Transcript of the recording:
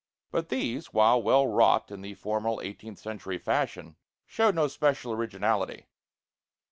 But these, while well wrought in the formal eighteenth century fashion, showed no special originality.